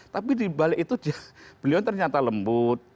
tapi di balik itu beliau ternyata lembut